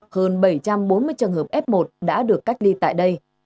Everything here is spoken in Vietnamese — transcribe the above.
hơn bảy trăm bốn mươi trường hợp f một đã được cách ly tại đây